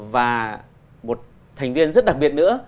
và một thành viên rất đặc biệt nữa